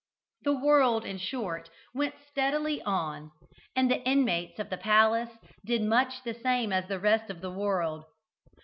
The world, in short, went steadily on, and the inmates of the palace did much the same as the rest of the world.